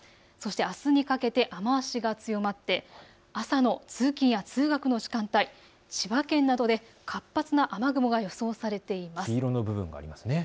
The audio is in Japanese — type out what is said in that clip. あすにかけて雨足が強まって朝の通勤通学の時間帯、千葉県などで活発な雨雲が予想されています。